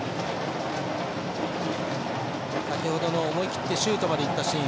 先ほどの思い切ってシュートまでいったシーン。